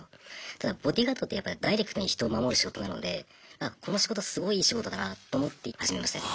ただボディーガードってダイレクトに人を守る仕事なのでこの仕事すごいいい仕事だなと思って始めましたね。